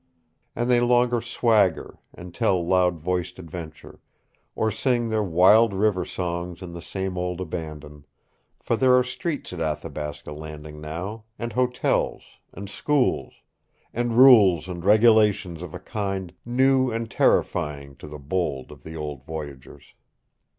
And they no longer swagger and tell loud voiced adventure, or sing their wild river songs in the same old abandon, for there are streets at Athabasca Landing now, and hotels, and schools, and rules and regulations of a kind new and terrifying to the bold of the old voyageurs.